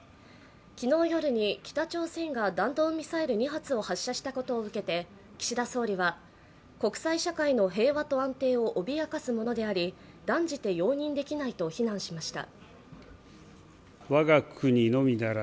昨日夜に北朝鮮が弾道ミサイル２発を発射したことを受けて岸田総理は国際社会の平和と安定を脅かすものであり断じて容認できないと非難しました。